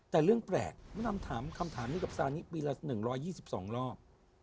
แต่เรื่องแปลกมดำถามคำถามนี้กับซานิปีละ๑๒๒รอบ